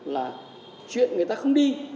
là chuyện người ta không đi